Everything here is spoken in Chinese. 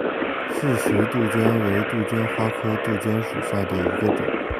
饰石杜鹃为杜鹃花科杜鹃属下的一个种。